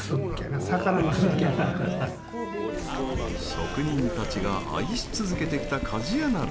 職人たちが愛し続けてきた「鍛冶屋鍋」。